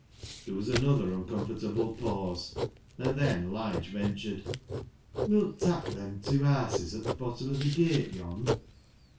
There was another uncomfortable pause, and then Lige ventured —" Wilt tak' them tew haases at th' bottom o' th' gate yond'